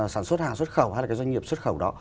sản xuất hàng xuất khẩu hay là cái doanh nghiệp xuất khẩu đó